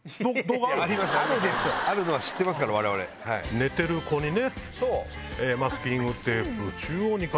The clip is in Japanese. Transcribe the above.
寝てる子にね。